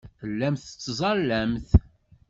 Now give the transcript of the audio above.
Tellamt tettẓallamt.